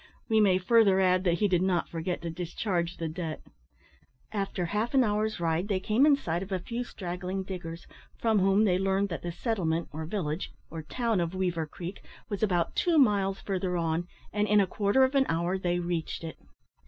We may further add, that he did not forget to discharge the debt. After half an hour's ride they came in sight of a few straggling diggers, from whom they learned that the settlement, or village, or town of Weaver Creek was about two miles further on, and in a quarter of an hour they reached it.